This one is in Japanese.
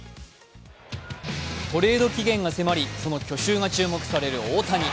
トレード期限が迫り、その去就が注目される大谷。